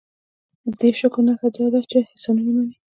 دې شکر نښه دا ده چې احسانونه ومني.